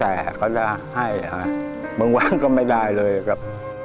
แต่เขาจะให้มึงว่างก็ไม่ได้เลยครับ